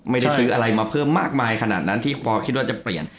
ไม่ได้ซื้ออะไรมาเพิ่มมากมายขนาดนั้นที่พอคิดว่าจะเปลี่ยน